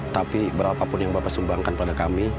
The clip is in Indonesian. tapi berapapun yang bapak sumbangkan pada kami